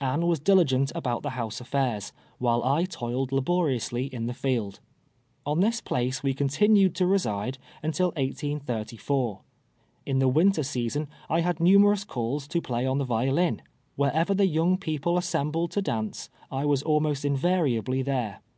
Anne was diligent about the house affairs, while I toiled laboriously in the field. On this place we continued to reside until 1834. In the winter season I had numerous calls to l»lay on the violin. "Wherever the young people assembled to dance, I was almost invariably there.